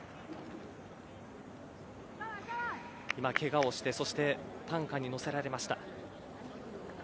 今けがをして、そして担架に乗せられました。